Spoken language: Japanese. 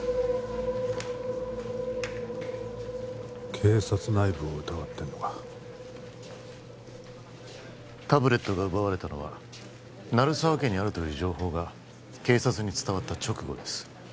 警察内部を疑ってんのかタブレットが奪われたのは鳴沢家にあるという情報が警察に伝わった直後です